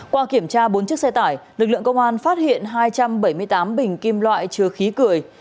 qua kiểm tra bốn chiếc xe tải lực lượng công an phát hiện hai trăm bảy mươi tám bình kim loại chứa khí cười